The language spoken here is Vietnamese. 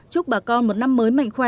chúc bà con một năm mới mạnh khỏe